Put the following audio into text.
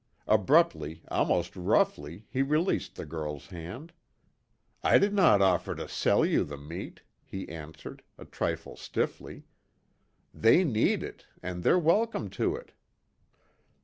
Abruptly, almost roughly he released the girl's hand. "I did not offer to sell you the meat," he answered, a trifle stiffly. "They need it, and they're welcome to it."